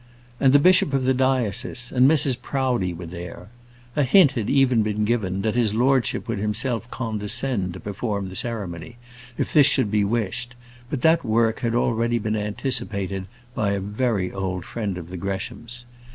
And the bishop of the diocese, and Mrs Proudie were there. A hint had even been given, that his lordship would himself condescend to perform the ceremony, if this should be wished; but that work had already been anticipated by a very old friend of the Greshams.